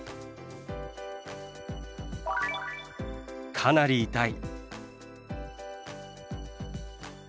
「かなり痛い」。